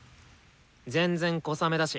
全然小雨だし。